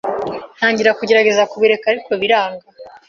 ntangira kugerageza kubireka ariko biranga.